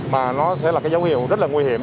mà nó sẽ là dấu hiệu rất nguy hiểm